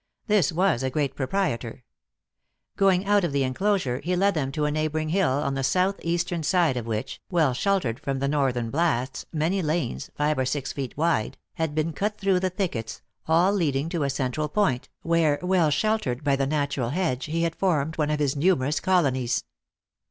This was a great proprietor* Going out of the enclosure, he led them to a neighboring hill, on the south eastern side of which, well sheltered from the northern blasts, 224 THE ACTRESS LS" HIGH LIFE. many lanes, five or .six feet wide, had been cut through the thickets, all leading to a central point, where, well sheltered by the natural hedge, he had formed one of his numerous colonies.